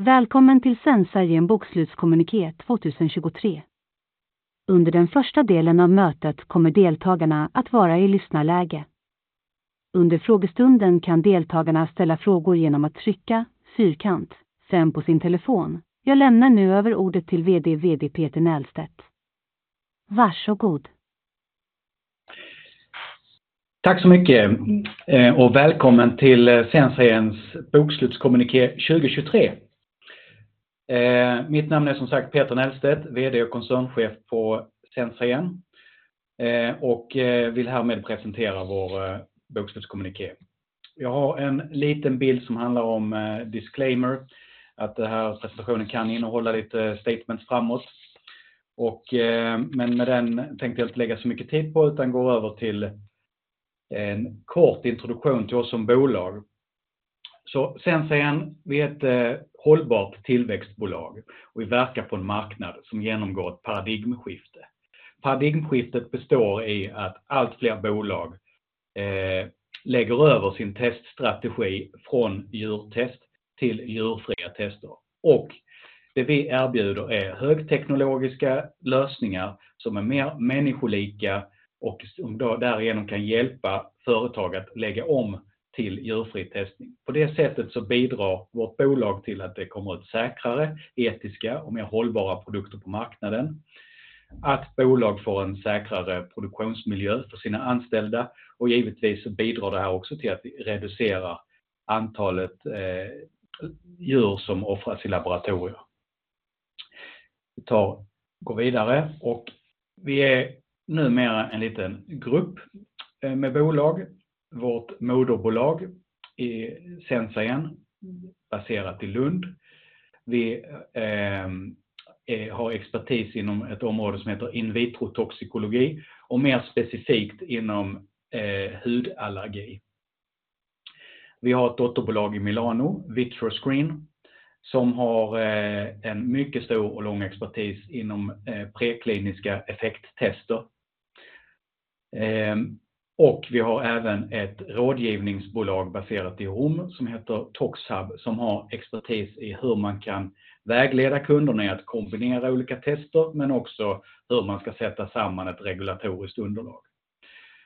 Välkommen till SensaGens bokslutskommuniké 2023. Under den första delen av mötet kommer deltagarna att vara i lyssnarläge. Under frågestunden kan deltagarna ställa frågor genom att trycka "Fyrkant 5" på sin telefon. Jag lämnar nu över ordet till VD Peter Nahlstedt. Varsågod. Tack så mycket, och välkommen till SensaGens bokslutskommuniké 2023. Mitt namn är som sagt Peter Nahlstedt, VD och koncernchef på SensaGen, och vill härmed presentera vår bokslutskommuniké. Jag har en liten bild som handlar om disclaimer, att den här presentationen kan innehålla lite statements framåt, men med den tänkte jag inte lägga så mycket tid på utan går över till en kort introduktion till oss som bolag. SensaGen, vi är ett hållbart tillväxtbolag och vi verkar på en marknad som genomgår ett paradigmskifte. Paradigmskiftet består i att allt fler bolag lägger över sin teststrategi från djurtest till djurfria tester. Det vi erbjuder är högteknologiska lösningar som är mer människolika och som därigenom kan hjälpa företag att lägga om till djurfri testning. På det sättet så bidrar vårt bolag till att det kommer ut säkrare, etiska och mer hållbara produkter på marknaden, att bolag får en säkrare produktionsmiljö för sina anställda, och givetvis så bidrar det här också till att vi reducerar antalet djur som offras i laboratorier. Vi går vidare och vi är numera en liten grupp med bolag. Vårt moderbolag är SensaGen, baserat i Lund. Vi har expertis inom ett område som heter in vitro toxikologi och mer specifikt inom hudallergi. Vi har ett dotterbolag i Milano, VitroScreen, som har en mycket stor och lång expertis inom prekliniska effekttester. Vi har även ett rådgivningsbolag baserat i Rom som heter ToxHub, som har expertis i hur man kan vägleda kunderna i att kombinera olika tester, men också hur man ska sätta samman ett regulatoriskt underlag.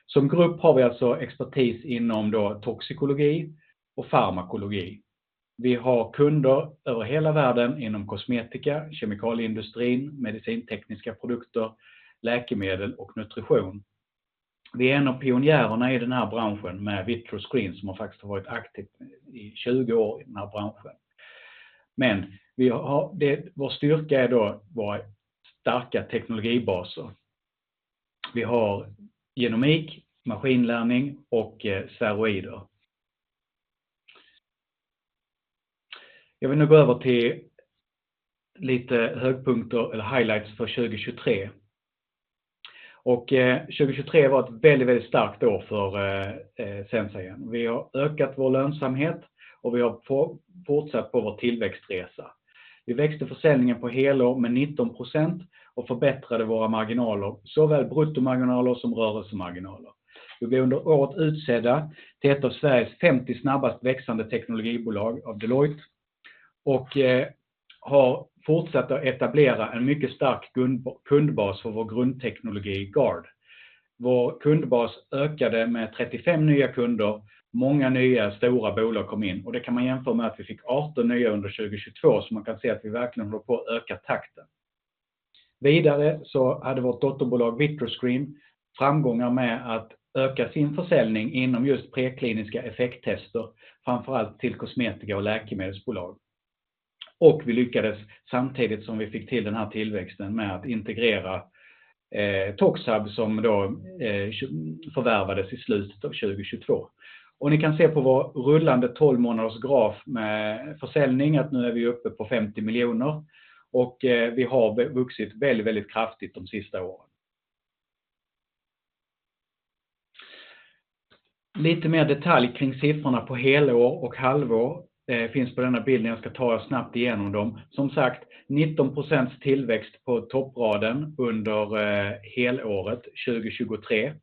Som grupp har vi alltså expertis inom toxikologi och farmakologi. Vi har kunder över hela världen inom kosmetika, kemikalieindustrin, medicintekniska produkter, läkemedel och nutrition. Vi är en av pionjärerna i den här branschen med VitroScreen, som har faktiskt varit aktivt i 20 år i den här branschen. Men vi har, vår styrka är då våra starka teknologibaser. Vi har genomik, maskininlärning och steroider. Jag vill nu gå över till lite högpunkter eller highlights för 2023. 2023 var ett väldigt, väldigt starkt år för SensaGen. Vi har ökat vår lönsamhet och vi har fortsatt på vår tillväxtresa. Vi växte försäljningen på helår med 19% och förbättrade våra marginaler, såväl bruttomarginaler som rörelsemarginaler. Vi blev under året utsedda till ett av Sveriges 50 snabbast växande teknologibolag av Deloitte och har fortsatt att etablera en mycket stark kundbas för vår grundteknologi Guard. Vår kundbas ökade med 35 nya kunder. Många nya stora bolag kom in och det kan man jämföra med att vi fick 18 nya under 2022, så man kan se att vi verkligen håller på att öka takten. Vidare så hade vårt dotterbolag VitroScreen framgångar med att öka sin försäljning inom just prekliniska effekttester, framför allt till kosmetika- och läkemedelsbolag. Vi lyckades samtidigt som vi fick till den här tillväxten med att integrera ToxHub som då förvärvades i slutet av 2022. Ni kan se på vår rullande tolvmånadersgraf med försäljning att nu är vi uppe på 50 miljoner och vi har vuxit väldigt kraftigt de sista åren. Lite mer detalj kring siffrorna på helår och halvår finns på denna bild när jag ska ta snabbt igenom dem. Som sagt, 19% tillväxt på toppraden under helåret 2023.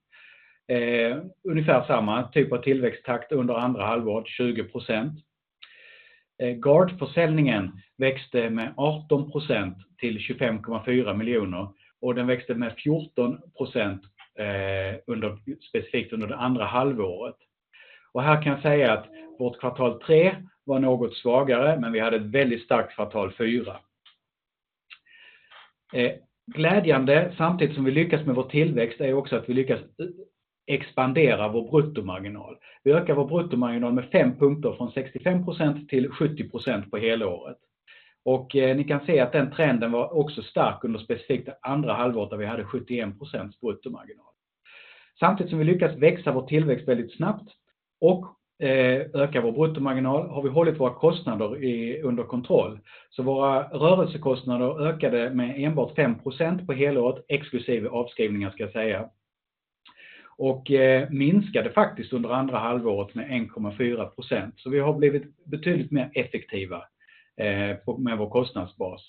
Ungefär samma typ av tillväxttakt under andra halvåret, 20%. Guard-försäljningen växte med 18% till 25,4 miljoner och den växte med 14% under specifikt under det andra halvåret. Här kan jag säga att vårt kvartal tre var något svagare, men vi hade ett väldigt starkt kvartal fyra. Glädjande, samtidigt som vi lyckas med vår tillväxt, är också att vi lyckas expandera vår bruttomarginal. Vi ökar vår bruttomarginal med fem punkter från 65% till 70% på helåret. Ni kan se att den trenden var också stark under specifikt andra halvåret där vi hade 71% bruttomarginal. Samtidigt som vi lyckas växa vår tillväxt väldigt snabbt och öka vår bruttomarginal har vi hållit våra kostnader under kontroll. Våra rörelsekostnader ökade med enbart 5% på helåret, exklusive avskrivningar ska jag säga, och minskade faktiskt under andra halvåret med 1,4%. Vi har blivit betydligt mer effektiva med vår kostnadsbas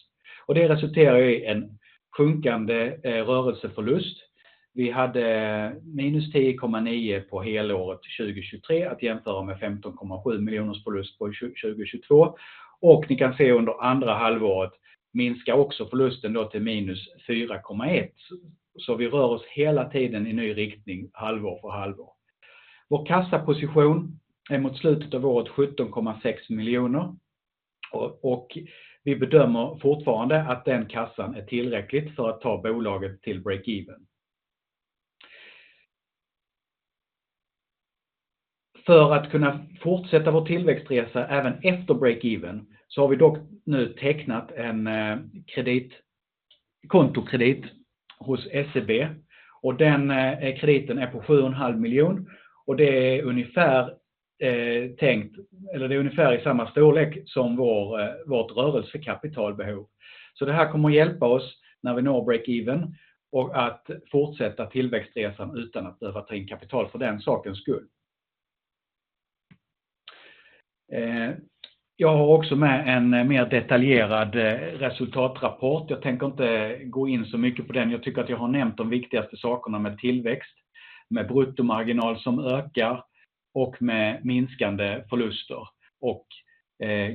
och det resulterar i en sjunkande rörelseförlust. Vi hade -10,9 på helåret 2023 att jämföra med 15,7 miljoners förlust på 2022. Ni kan se under andra halvåret minskar också förlusten då till -4,1. Vi rör oss hela tiden i ny riktning, halvår för halvår. Vår kassaposition är mot slutet av året 17,6 miljoner och vi bedömer fortfarande att den kassan är tillräckligt för att ta bolaget till break even. För att kunna fortsätta vår tillväxtresa även efter break even har vi dock nu tecknat en kredit, kontokredit hos SEB och den krediten är på 7,5 miljoner och det är ungefär tänkt, eller det är ungefär i samma storlek som vårt rörelsekapitalbehov. Det här kommer att hjälpa oss när vi når break even och att fortsätta tillväxtresan utan att behöva ta in kapital för den sakens skull. Jag har också med en mer detaljerad resultatrapport. Jag tänker inte gå in så mycket på den. Jag tycker att jag har nämnt de viktigaste sakerna med tillväxt, med bruttomarginal som ökar och med minskande förluster.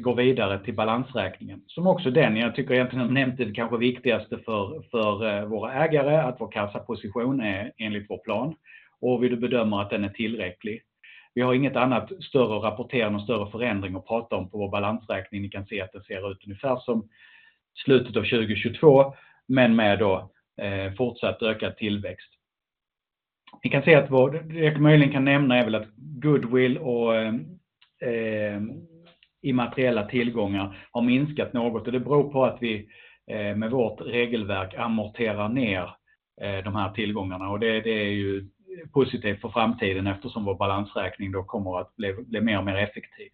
Går vidare till balansräkningen, som också är den. Jag tycker egentligen att jag har nämnt det kanske viktigaste för våra ägare, att vår kassaposition är enligt vår plan och vi bedömer att den är tillräcklig. Vi har inget annat större att rapportera än en större förändring att prata om på vår balansräkning. Ni kan se att den ser ut ungefär som slutet av 2022, men med då fortsatt ökad tillväxt. Ni kan se att det jag möjligen kan nämna är väl att goodwill och immateriella tillgångar har minskat något och det beror på att vi med vårt regelverk amorterar ner de här tillgångarna och det är ju positivt för framtiden eftersom vår balansräkning då kommer att bli mer och mer effektiv.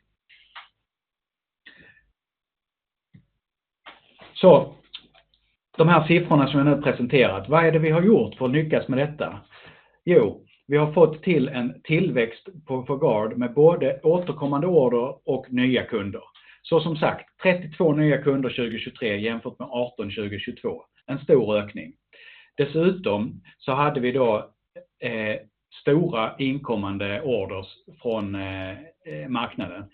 Så de här siffrorna som jag nu presenterat, vad är det vi har gjort för att lyckas med detta? Jo, vi har fått till en tillväxt för Guard med både återkommande order och nya kunder. Som sagt, 32 nya kunder 2023 jämfört med 18 2022. En stor ökning. Dessutom så hade vi då stora inkommande orders från marknaden.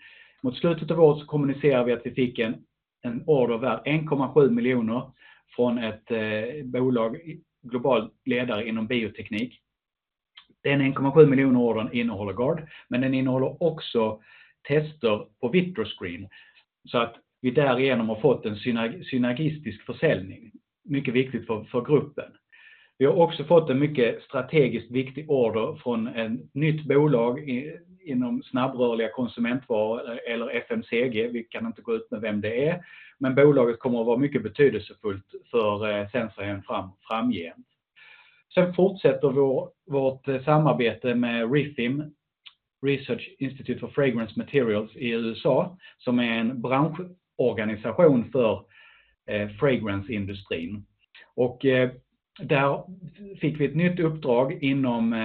Mot slutet av året så kommunicerade vi att vi fick en order värd 1,7 miljoner från ett bolag, global ledare inom bioteknik. Den 1,7 miljoner kronor ordern innehåller Guard, men den innehåller också tester på VitroScreen så att vi därigenom har fått en synergistisk försäljning. Mycket viktigt för gruppen. Vi har också fått en mycket strategiskt viktig order från ett nytt bolag inom snabbrörliga konsumentvaror eller FMCG. Vi kan inte gå ut med vem det är, men bolaget kommer att vara mycket betydelsefullt för SensaGen framgent. Sen fortsätter vårt samarbete med REFIM, Research Institute for Fragrance Materials i USA, som är en branschorganisation för fragrance-industrin. Där fick vi ett nytt uppdrag inom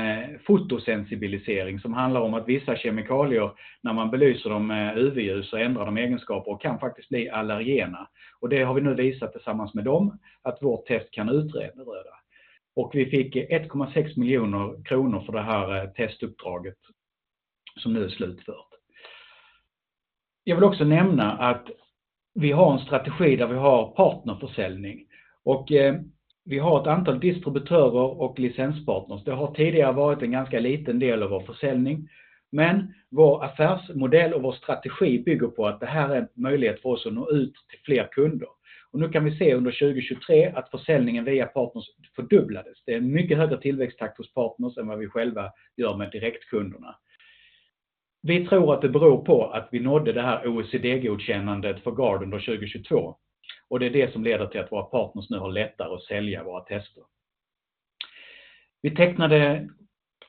fotosensibilisering som handlar om att vissa kemikalier, när man belyser dem med UV-ljus och ändrar deras egenskaper, kan faktiskt bli allergena. Det har vi nu visat tillsammans med dem, att vårt test kan utreda det. Vi fick 1,6 miljoner kronor för det här testuppdraget som nu är slutfört. Jag vill också nämna att vi har en strategi där vi har partnerförsäljning och vi har ett antal distributörer och licenspartners. Det har tidigare varit en ganska liten del av vår försäljning, men vår affärsmodell och vår strategi bygger på att det här är en möjlighet för oss att nå ut till fler kunder. Nu kan vi se under 2023 att försäljningen via partners fördubblades. Det är en mycket högre tillväxttakt hos partners än vad vi själva gör med direktkunderna. Vi tror att det beror på att vi nådde det här OECD-godkännandet för Guard under 2022 och det är det som leder till att våra partners nu har lättare att sälja våra tester. Vi tecknade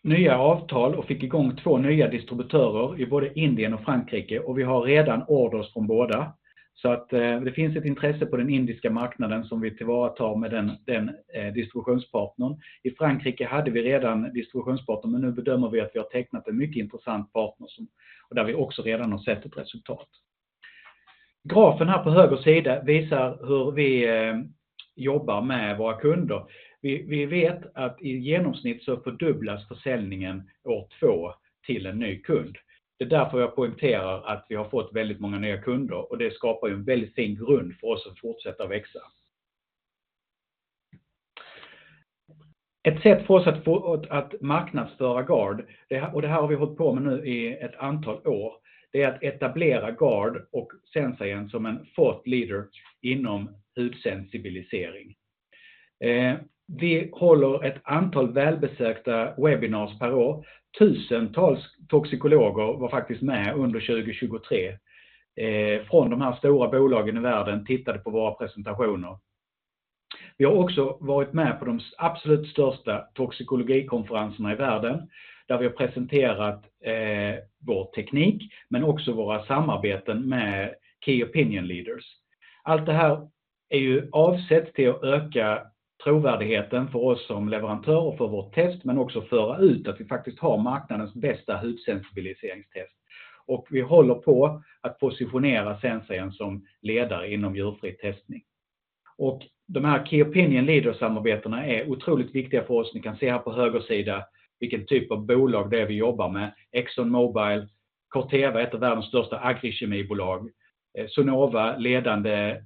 nya avtal och fick igång två nya distributörer i både Indien och Frankrike och vi har redan orders från båda. Det finns ett intresse på den indiska marknaden som vi tillvaratar med den distributionspartnern. I Frankrike hade vi redan distributionspartner, men nu bedömer vi att vi har tecknat en mycket intressant partner där vi också redan har sett ett resultat. Grafen här på höger sida visar hur vi jobbar med våra kunder. Vi vet att i genomsnitt fördubblas försäljningen år två till en ny kund. Det är därför jag poängterar att vi har fått väldigt många nya kunder och det skapar en väldigt fin grund för oss att fortsätta växa. Ett sätt för oss att marknadsföra Guard, och det här har vi hållit på med nu i ett antal år, det är att etablera Guard och SensaGen som en thought leader inom hudsensibilisering. Vi håller ett antal välbesökta webbinars per år. Tusentals toxikologer var faktiskt med under 2023 från de här stora bolagen i världen tittade på våra presentationer. Vi har också varit med på de absolut största toxikologikonferenserna i världen där vi har presenterat vår teknik, men också våra samarbeten med key opinion leaders. Allt det här är ju avsett till att öka trovärdigheten för oss som leverantör och för vårt test, men också föra ut att vi faktiskt har marknadens bästa hudsensibiliseringstest. Vi håller på att positionera SensaGen som ledare inom djurfri testning. De här key opinion leader-samarbetena är otroligt viktiga för oss. Ni kan se här på höger sida vilken typ av bolag det är vi jobbar med. ExxonMobil, Corteva är ett av världens största agrikemibolag. Sonova, ledande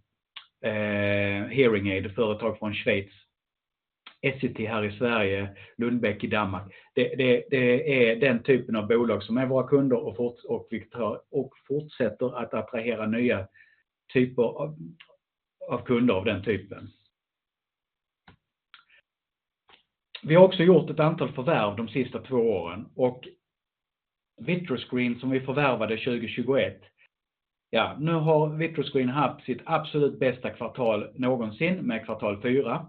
hearing aid-företag från Schweiz. Essity här i Sverige. Lundbeck i Danmark. Det är den typen av bolag som är våra kunder och vi tar och fortsätter att attrahera nya typer av kunder av den typen. Vi har också gjort ett antal förvärv de sista två åren och VitroScreen som vi förvärvade 2021. Nu har VitroScreen haft sitt absolut bästa kvartal någonsin med kvartal fyra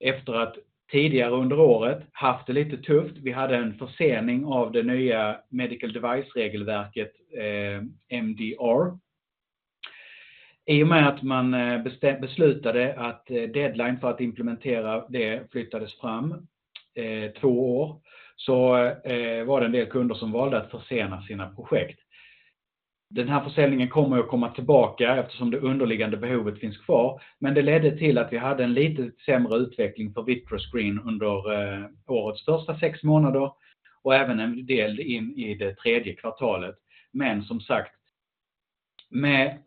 efter att tidigare under året haft det lite tufft. Vi hade en försening av det nya medical device-regelverket, MDR. I och med att man beslutade att deadline för att implementera det flyttades fram två år, så var det en del kunder som valde att försena sina projekt. Den här försäljningen kommer att komma tillbaka eftersom det underliggande behovet finns kvar. Men det ledde till att vi hade en lite sämre utveckling för VitroScreen under årets första sex månader och även en del in i det tredje kvartalet. Men som sagt, med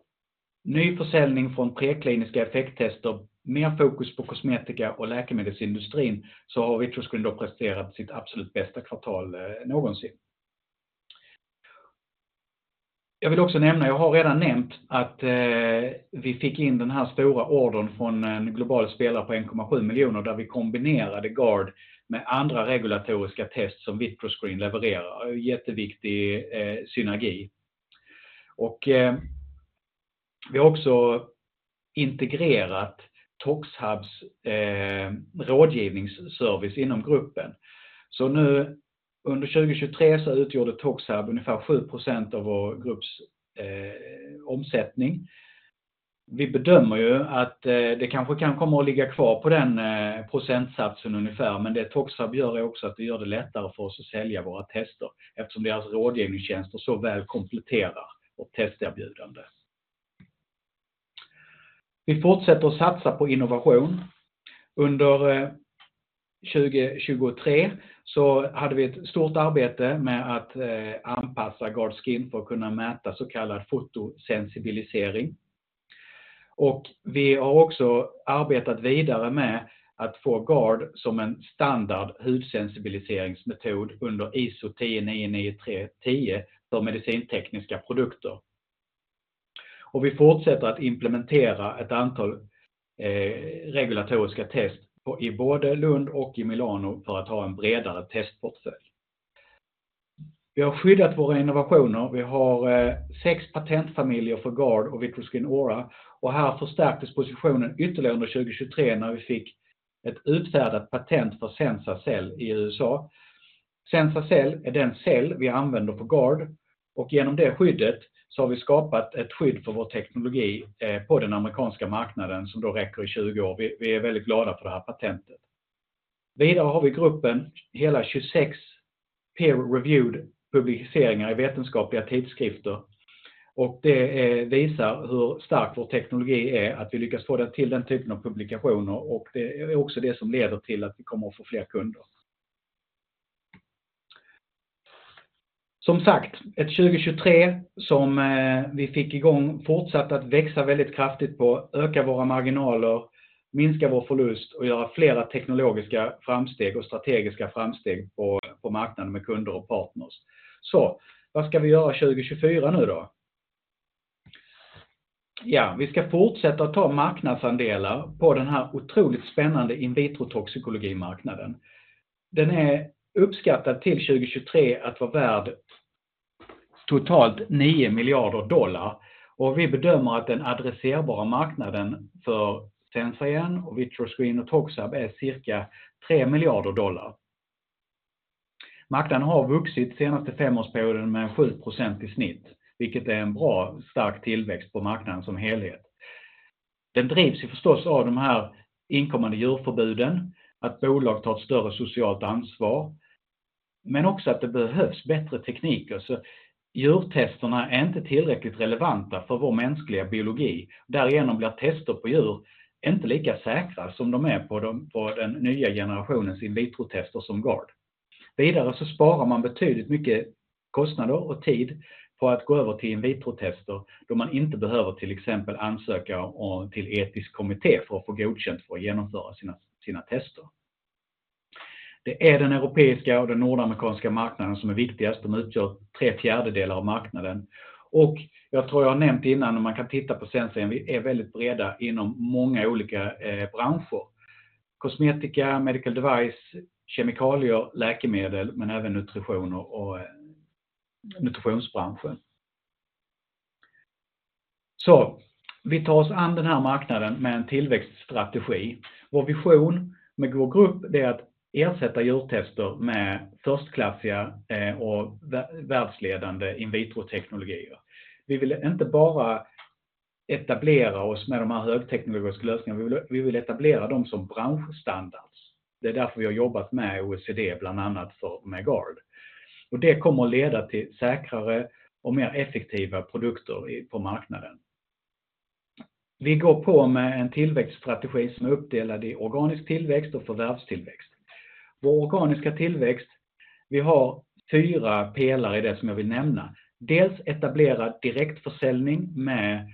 ny försäljning från prekliniska effekttester, mer fokus på kosmetika och läkemedelsindustrin så har VitroScreen då presterat sitt absolut bästa kvartal någonsin. Jag vill också nämna, jag har redan nämnt att vi fick in den här stora ordern från en global spelare på 1,7 miljoner där vi kombinerade Guard med andra regulatoriska test som VitroScreen levererar. Jätteviktig synergi. Vi har också integrerat ToxHubs rådgivningsservice inom gruppen. Nu under 2023 så utgjorde ToxHub ungefär 7% av vår grupps omsättning. Vi bedömer ju att det kanske kan komma att ligga kvar på den procentsatsen ungefär, men det ToxHub gör är också att det gör det lättare för oss att sälja våra tester eftersom deras rådgivningstjänster så väl kompletterar vårt testerbjudande. Vi fortsätter att satsa på innovation. Under 2023 så hade vi ett stort arbete med att anpassa Guard Skin för att kunna mäta så kallad fotosensibilisering. Och vi har också arbetat vidare med att få Guard som en standard hudsensibiliseringsmetod under ISO 10993:10 för medicintekniska produkter. Och vi fortsätter att implementera ett antal regulatoriska test i både Lund och i Milano för att ha en bredare testportfölj. Vi har skyddat våra innovationer. Vi har sex patentfamiljer för Guard och VitroScreen Aura och här förstärktes positionen ytterligare under 2023 när vi fick ett utfärdat patent för SensaCell i USA. SensaCell är den cell vi använder för Guard och genom det skyddet så har vi skapat ett skydd för vår teknologi på den amerikanska marknaden som då räcker i 20 år. Vi är väldigt glada för det här patentet. Vidare har vi gruppen hela 26 peer-reviewed publiceringar i vetenskapliga tidskrifter och det visar hur stark vår teknologi är, att vi lyckas få den till den typen av publikationer och det är också det som leder till att vi kommer att få fler kunder. Som sagt, ett 2023 som vi fick igång, fortsatt att växa väldigt kraftigt på, öka våra marginaler, minska vår förlust och göra flera teknologiska framsteg och strategiska framsteg på marknaden med kunder och partners. Vad ska vi göra 2024 nu då? Vi ska fortsätta att ta marknadsandelar på den här otroligt spännande in vitro toxikologimarknaden. Den är uppskattad till 2023 att vara värd totalt $9 miljarder och vi bedömer att den adresserbara marknaden för SensaGen, VitroScreen och ToxHub är cirka $3 miljarder. Marknaden har vuxit senaste femårsperioden med 7% i snitt, vilket är en bra, stark tillväxt på marknaden som helhet. Den drivs ju förstås av de här inkommande djurförbuden, att bolag tar ett större socialt ansvar, men också att det behövs bättre tekniker. Så djurtesterna är inte tillräckligt relevanta för vår mänskliga biologi. Därigenom blir tester på djur inte lika säkra som de är på den nya generationens in vitro-tester som Guard. Vidare så sparar man betydligt mycket kostnader och tid på att gå över till in vitro-tester då man inte behöver till exempel ansöka till etisk kommitté för att få godkänt för att genomföra sina tester. Det är den europeiska och den nordamerikanska marknaden som är viktigast. De utgör tre fjärdedelar av marknaden och jag tror jag har nämnt innan att man kan titta på SensaGen. Vi är väldigt breda inom många olika branscher: kosmetika, medical device, kemikalier, läkemedel, men även nutrition och nutritionsbranschen. Så vi tar oss an den här marknaden med en tillväxtstrategi. Vår vision med vår grupp är att ersätta djurtester med förstklassiga och världsledande in vitro-teknologier. Vi vill inte bara etablera oss med de här högteknologiska lösningarna. Vi vill etablera dem som branschstandarder. Det är därför vi har jobbat med OECD, bland annat för med Guard. Det kommer att leda till säkrare och mer effektiva produkter på marknaden. Vi går på med en tillväxtstrategi som är uppdelad i organisk tillväxt och förvärvstillväxt. Vår organiska tillväxt har fyra pelare som jag vill nämna. Dels etablera direktförsäljning med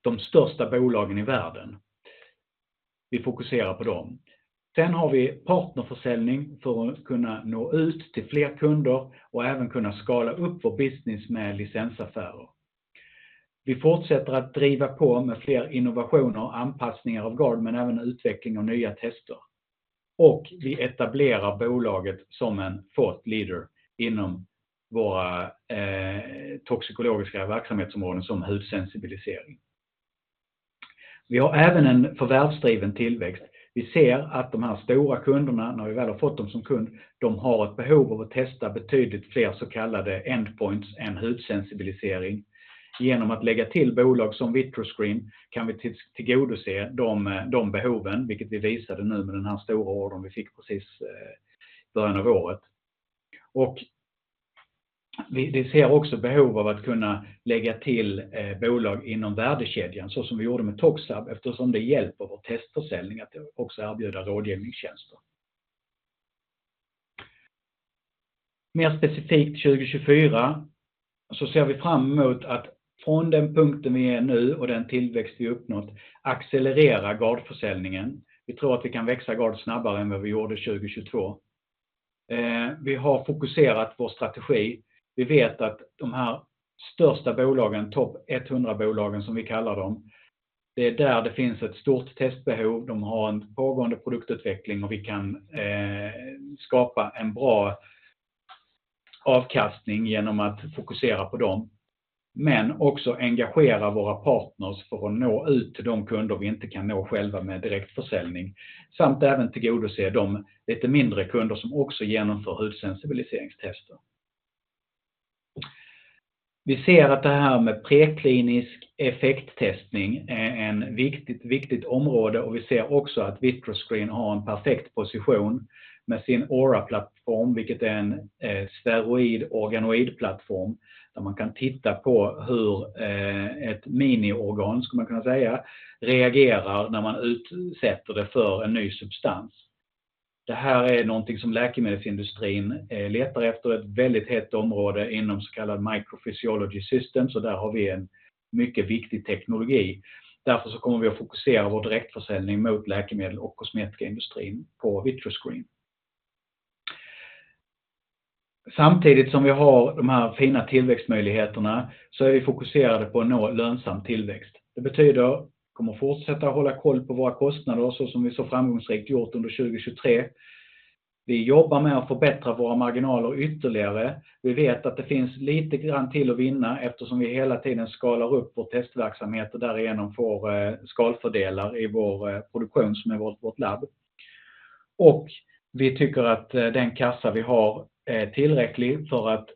de största bolagen i världen. Vi fokuserar på dem. Sen har vi partnerförsäljning för att kunna nå ut till fler kunder och även kunna skala upp vår business med licensaffärer. Vi fortsätter att driva på med fler innovationer och anpassningar av Guard, men även utveckling av nya tester. Och vi etablerar bolaget som en thought leader inom våra toxikologiska verksamhetsområden som hudsensibilisering. Vi har även en förvärvsdriven tillväxt. Vi ser att de här stora kunderna, när vi väl har fått dem som kund, de har ett behov av att testa betydligt fler så kallade endpoints än hudsensibilisering. Genom att lägga till bolag som VitroScreen kan vi tillgodose de behoven, vilket vi visade nu med den här stora ordern vi fick precis i början av året. Vi ser också behov av att kunna lägga till bolag inom värdekedjan så som vi gjorde med ToxHub, eftersom det hjälper vår testförsäljning att också erbjuda rådgivningstjänster. Mer specifikt 2024 så ser vi fram emot att från den punkten vi är nu och den tillväxt vi uppnått accelerera Guard-försäljningen. Vi tror att vi kan växa Guard snabbare än vad vi gjorde 2022. Vi har fokuserat vår strategi. Vi vet att de här största bolagen, topp 100-bolagen som vi kallar dem, det är där det finns ett stort testbehov. De har en pågående produktutveckling och vi kan skapa en bra avkastning genom att fokusera på dem, men också engagera våra partners för att nå ut till de kunder vi inte kan nå själva med direktförsäljning samt även tillgodose de lite mindre kunder som också genomför hudsensibiliseringstester. Vi ser att det här med preklinisk effekttestning är ett viktigt, viktigt område och vi ser också att VitroScreen har en perfekt position med sin Aura-plattform, vilket är en sferoid-organoid-plattform där man kan titta på hur ett miniorgan, skulle man kunna säga, reagerar när man utsätter det för en ny substans. Det här är något som läkemedelsindustrin letar efter. Ett väldigt hett område inom så kallad microphysiology systems och där har vi en mycket viktig teknologi. Därför kommer vi att fokusera vår direktförsäljning mot läkemedel och kosmetikaindustrin på VitroScreen. Samtidigt som vi har de här fina tillväxtmöjligheterna är vi fokuserade på att nå lönsam tillväxt. Det betyder att vi kommer att fortsätta att hålla koll på våra kostnader så som vi framgångsrikt gjort under 2023. Vi jobbar med att förbättra våra marginaler ytterligare. Vi vet att det finns lite grann till att vinna eftersom vi hela tiden skalar upp vår testverksamhet och därigenom får skalfördelar i vår produktion som är vårt labb. Vi tycker att den kassa vi har är tillräcklig för att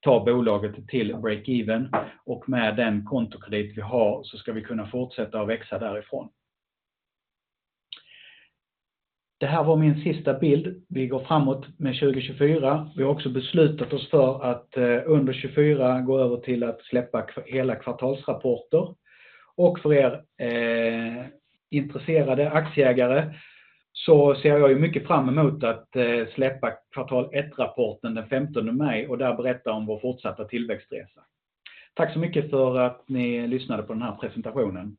ta bolaget till break-even och med den kontokredit vi har ska vi kunna fortsätta att växa därifrån. Det här var min sista bild. Vi går framåt med 2024. Vi har också beslutat oss för att under 2024 gå över till att släppa hela kvartalsrapporter. Och för intresserade aktieägare så ser jag ju mycket fram emot att släppa kvartal ett-rapporten den 15 maj och där berätta om vår fortsatta tillväxtresa. Tack så mycket för att ni lyssnade på den här presentationen!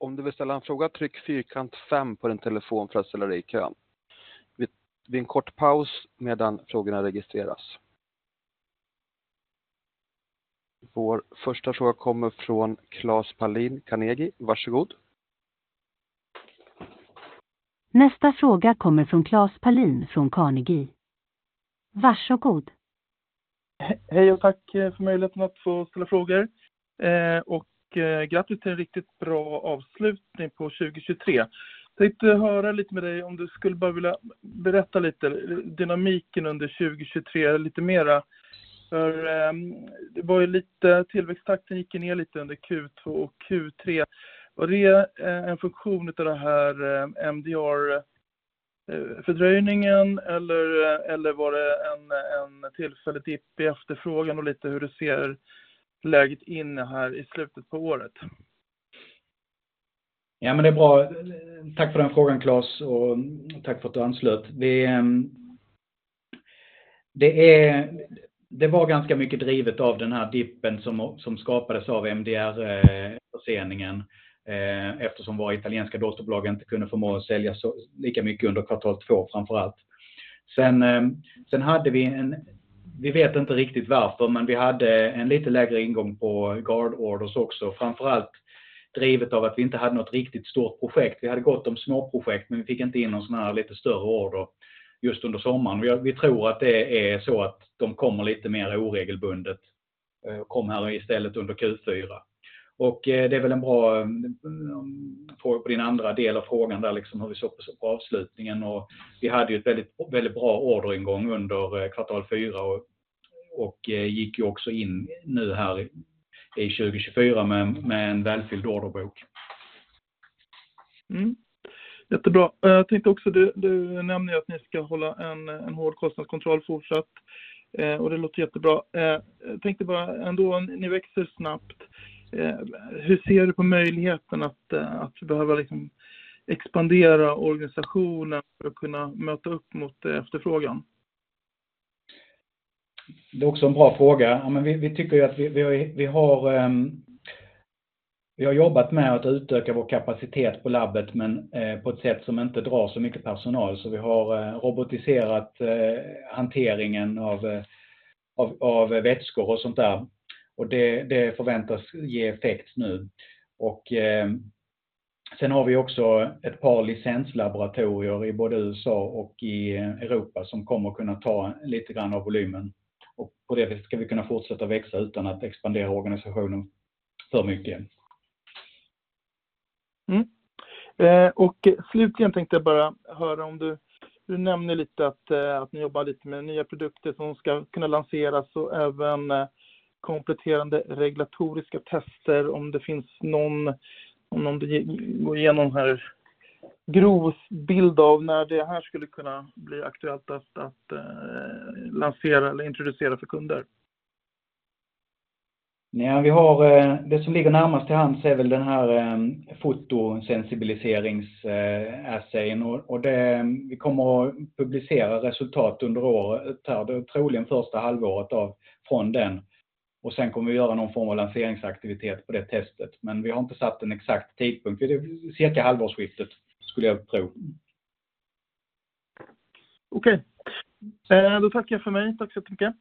Om du vill ställa en fråga, tryck fyrkant fem på din telefon för att ställa dig i kön. Vi tar en kort paus medan frågorna registreras. Vår första fråga kommer från Claes Pahlin Carnegie. Varsågod! Nästa fråga kommer från Claes Pahlin från Carnegie. Varsågod! Hej och tack för möjligheten att få ställa frågor och grattis till en riktigt bra avslutning på 2023! Jag tänkte höra lite med dig om du skulle bara vilja berätta lite dynamiken under 2023 lite mera. För det var ju lite tillväxttakten gick ner lite under Q2 och Q3. Var det en funktion av den här MDR-fördröjningen eller var det en tillfällig uppgång i efterfrågan och lite hur du ser läget här i slutet på året? Ja, men det är bra. Tack för den frågan, Claes och tack för att du anslöt! Det var ganska mycket drivet av den här dippen som skapades av MDR-förseningen eftersom våra italienska dotterbolag inte kunde förmå att sälja så lika mycket under kvartal två, framför allt. Sen hade vi en... Vi vet inte riktigt varför, men vi hade en lite lägre ingång på Guard-orders också, framför allt drivet av att vi inte hade något riktigt stort projekt. Vi hade gott om små projekt, men vi fick inte in någon sådan här lite större order just under sommaren. Vi tror att det är så att de kommer lite mer oregelbundet och kom här istället under Q4. Och det är väl en bra fråga på din andra del av frågan där, liksom hur vi såg på avslutningen. Och vi hade ju ett väldigt, väldigt bra orderingång under kvartal fyra och gick ju också in nu här i 2024 med en välfylld orderbok. Jättebra! Jag tänkte också att du nämnde ju att ni ska hålla en hård kostnadskontroll fortsatt och det låter jättebra. Jag tänkte bara att ni växer snabbt. Hur ser du på möjligheten att behöva liksom expandera organisationen för att kunna möta upp mot efterfrågan? Det är också en bra fråga. Ja, men vi tycker ju att vi har... Vi har jobbat med att utöka vår kapacitet på labbet, men på ett sätt som inte drar så mycket personal. Så vi har robotiserat hanteringen av vätskor och sånt där och det förväntas ge effekt nu. Och sen har vi också ett par licenslaboratorier i både USA och i Europa som kommer att kunna ta lite grann av volymen och på det viset ska vi kunna fortsätta växa utan att expandera organisationen för mycket. Och slutligen tänkte jag bara höra om du... Du nämnde lite att ni jobbar lite med nya produkter som ska kunna lanseras och även kompletterande regulatoriska tester. Om det finns någon... Om någon går igenom en grov bild av när det här skulle kunna bli aktuellt att lansera eller introducera för kunder. Nej, men vi har... Det som ligger närmast till hands är väl den här fotosensibiliserings-essayen och det vi kommer att publicera resultat under året här. Det är troligen första halvåret från den och sen kommer vi göra någon form av lanseringsaktivitet på det testet. Men vi har inte satt en exakt tidpunkt. Det är cirka halvårsskiftet, skulle jag tro. Okej, då tackar jag för mig! Tack så jättemycket!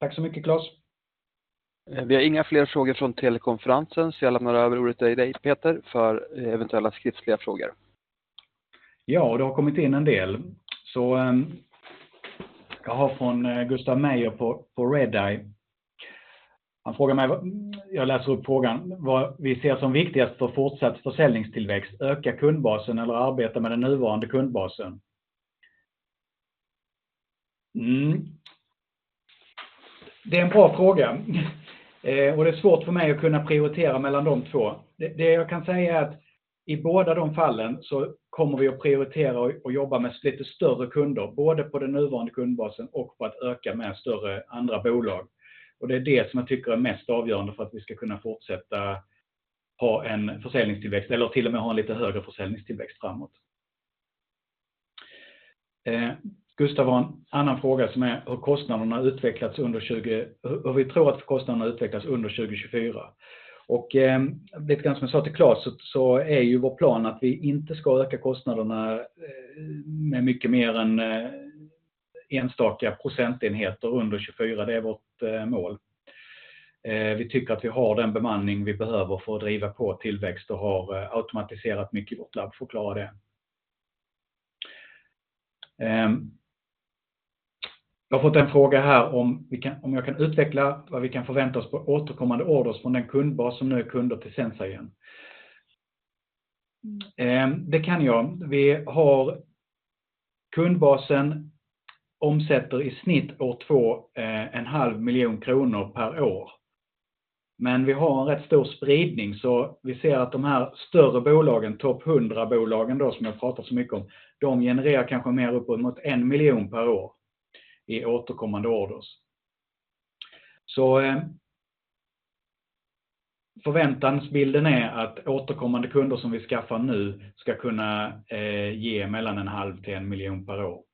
Tack så mycket, Claes! Vi har inga fler frågor från telekonferensen så jag lämnar över ordet till dig, Peter, för eventuella skriftliga frågor. Ja, det har kommit in en del så jag har från Gustav Meyer på RedEye. Han frågar mig... Jag läser upp frågan: "Vad vi ser som viktigast för fortsatt försäljningstillväxt? Öka kundbasen eller arbeta med den nuvarande kundbasen?" Det är en bra fråga och det är svårt för mig att kunna prioritera mellan de två. Det jag kan säga är att i båda de fallen så kommer vi att prioritera och jobba med lite större kunder, både på den nuvarande kundbasen och på att öka med större andra bolag. Och det är det som jag tycker är mest avgörande för att vi ska kunna fortsätta ha en försäljningstillväxt eller till och med ha en lite högre försäljningstillväxt framåt. Gustav har en annan fråga som är: "Hur har kostnaderna utvecklats under 2024?" Hur vi tror att kostnaderna utvecklas under 2024. Lite grann som jag sa till Claes så är ju vår plan att vi inte ska öka kostnaderna med mycket mer än enstaka procentenheter under 2024. Det är vårt mål. Vi tycker att vi har den bemanning vi behöver för att driva på tillväxt och har automatiserat mycket i vårt labb för att klara det. Jag har fått en fråga här om vi kan, om jag kan utveckla vad vi kan förvänta oss på återkommande orders från den kundbas som nu är kunder till SensaGen. Det kan jag. Vi har... Kundbasen omsätter i snitt år två och en halv miljon kronor per år. Men vi har en rätt stor spridning så vi ser att de här större bolagen, topp 100 bolagen då som jag pratat så mycket om, de genererar kanske mer upp emot en miljon per år i återkommande orders. Förväntansbilden är att återkommande kunder som vi skaffar nu ska kunna ge mellan en halv till en miljon per år.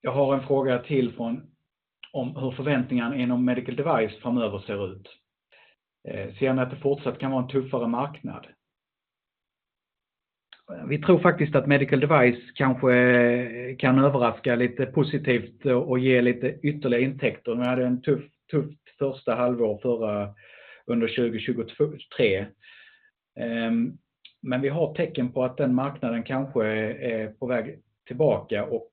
Jag har en fråga till från om hur förväntningarna inom medical device framöver ser ut. Ser ni att det fortsatt kan vara en tuffare marknad? Vi tror faktiskt att medical device kanske kan överraska lite positivt och ge lite ytterligare intäkter. Vi hade en tuff första halvår under 2023. Men vi har tecken på att den marknaden kanske är på väg tillbaka och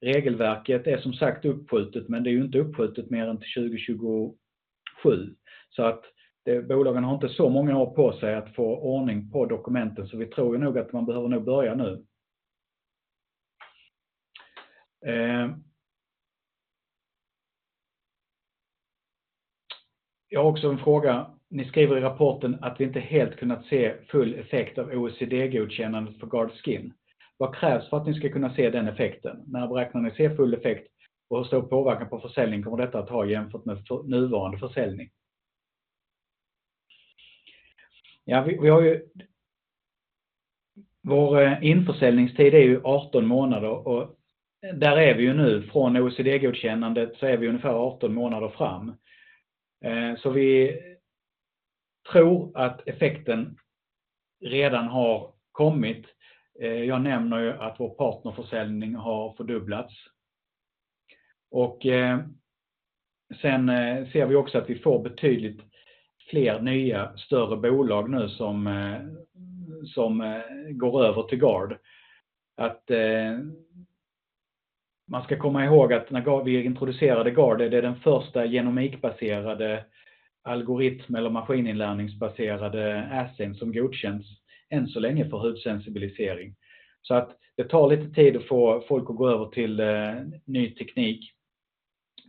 regelverket är som sagt uppskjutet. Men det är ju inte uppskjutet mer än till 2027 så att bolagen har inte så många år på sig att få ordning på dokumenten. Så vi tror ju nog att man behöver nog börja nu. Jag har också en fråga. Ni skriver i rapporten att vi inte helt kunnat se full effekt av OECD-godkännandet för Guard Skin. Vad krävs för att ni ska kunna se den effekten? När beräknar ni se full effekt och hur stor påverkan på försäljning kommer detta att ha jämfört med nuvarande försäljning? Ja, vi har ju... Vår införsäljningstid är ju 18 månader och där är vi ju nu. Från OECD-godkännandet så är vi ungefär 18 månader fram. Så vi tror att effekten redan har kommit. Jag nämner ju att vår partnerförsäljning har fördubblats och sen ser vi också att vi får betydligt fler nya, större bolag nu som går över till Guard. Att man ska komma ihåg att när vi introducerade Guard är det den första genomikbaserade algoritmen eller maskininlärningsbaserade essayen som godkänts än så länge för hudsensibilisering. Så det tar lite tid att få folk att gå över till ny teknik.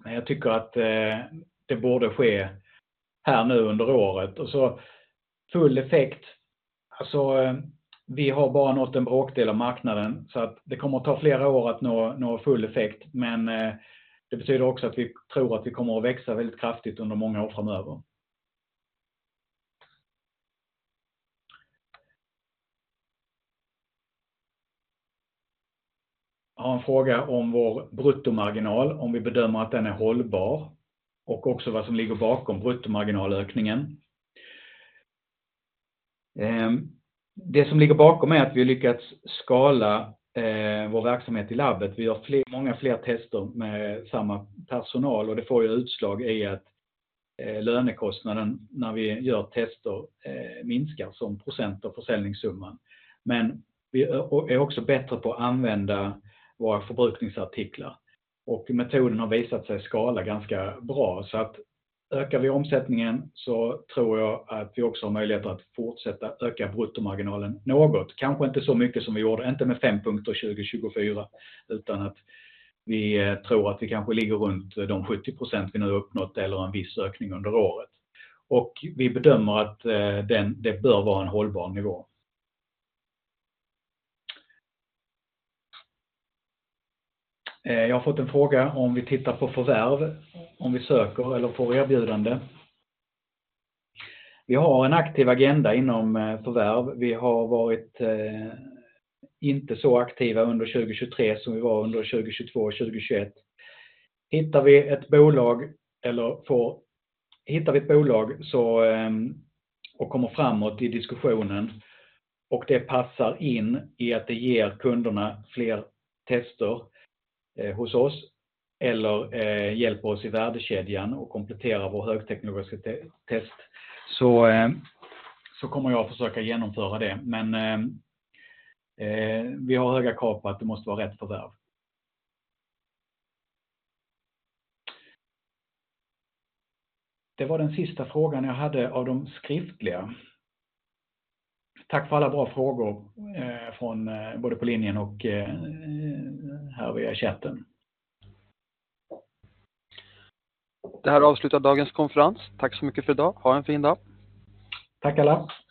Men jag tycker att det borde ske här nu under året och så full effekt. Alltså, vi har bara nått en bråkdel av marknaden så att det kommer att ta flera år att nå full effekt. Men det betyder också att vi tror att vi kommer att växa väldigt kraftigt under många år framöver. Jag har en fråga om vår bruttomarginal, om vi bedömer att den är hållbar och också vad som ligger bakom bruttomarginalökningen. Det som ligger bakom är att vi har lyckats skala vår verksamhet i labbet. Vi gör fler, många fler tester med samma personal och det får ju utslag i att lönekostnaden när vi gör tester minskar som procent av försäljningssumman. Men vi är också bättre på att använda våra förbrukningsartiklar och metoden har visat sig skala ganska bra. Så ökar vi omsättningen så tror jag att vi också har möjlighet att fortsätta öka bruttomarginalen något. Kanske inte så mycket som vi gjorde, inte med fem punkter 2024, utan att vi tror att vi kanske ligger runt de 70% vi nu har uppnått eller en viss ökning under året. Vi bedömer att den det bör vara en hållbar nivå. Jag har fått en fråga om vi tittar på förvärv, om vi söker eller får erbjudande. Vi har en aktiv agenda inom förvärv. Vi har varit inte så aktiva under 2023 som vi var under 2022 och 2021. Hittar vi ett bolag eller får... Hittar vi ett bolag så och kommer framåt i diskussionen och det passar in i att det ger kunderna fler tester hos oss eller hjälper oss i värdekedjan och kompletterar vår högteknologiska test så kommer jag att försöka genomföra det. Men vi har höga krav på att det måste vara rätt förvärv. Det var den sista frågan jag hade av de skriftliga. Tack för alla bra frågor från både på linjen och här via chatten. Det här avslutar dagens konferens. Tack så mycket för idag! Ha en fin dag! Tack alla! Tack!